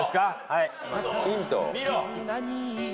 はい。